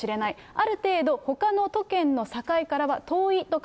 ある程度ほかの都県の境からは遠いとか、